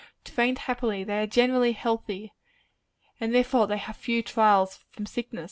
Trained happily, they are generally healthy and therefore they have few trials from sickness.